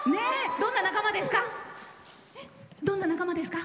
どんな仲間ですか？